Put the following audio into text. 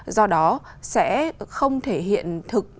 do đó sẽ không thể hiện thực